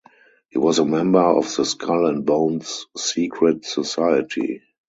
He was a member of the Skull and Bones secret society.